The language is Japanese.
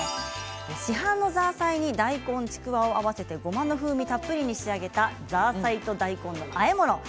市販のザーサイに大根、ちくわを合わせて、ごまの風味たっぷりに仕上げたザーサイと大根のあえ物です。